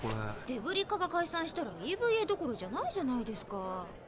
デブリ課が解散したらＥＶＡどころじゃないじゃないですか。